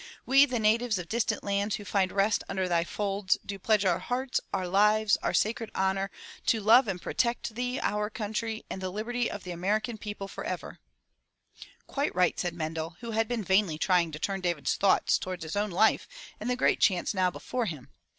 We, the natives of distant lands who find rest under thy folds, do pledge our hearts, our lives, our sacred honor, to love and protect thee, our Country, and the liberty of the American people forever/ ''* 'Quite right,'* said Mendel, who had been vainly trying to turn David's thoughts toward his own life and the great chance now before him.